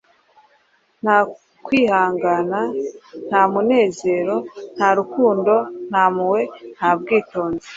nta kwihangana, nta munezero, nta rukundo, nta mpuhwe, nta bwitonzi